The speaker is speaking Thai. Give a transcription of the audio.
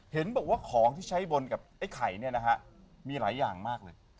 เห็นบอกว่าของที่ใช้บนกับไอ้ไข่เนี่ยนะฮะมีหลายอย่างมากเลย